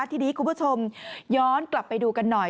ทีนี้คุณผู้ชมย้อนกลับไปดูกันหน่อย